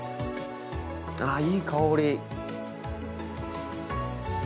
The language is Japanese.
ああいい香り！